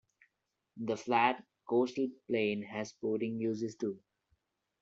The flat coastal plain had sporting uses too.